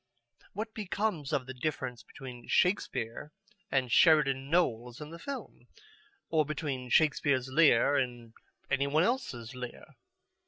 What becomes of the difference between Shakespeare and Sheridan Knowles in the film? Or between Shakespeare's Lear and any one else's Lear?